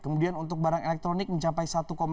kemudian untuk barang elektronik mencapai satu lima